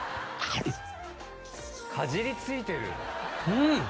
うん！